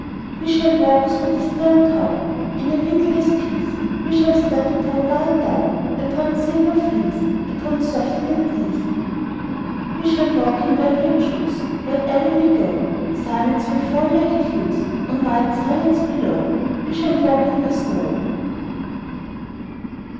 We shall walk through the still town In a windless peace; We shall step upon white down, Upon silver fleece, Upon softer than these. We shall walk in velvet shoes: Wherever we go Silence will fall like dews On white silence below. We shall walk in the snow.